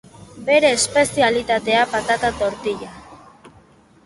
Bere espezialitatea, patata tortila.